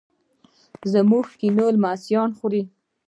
موږ کینوو چې لمسیان وخوري.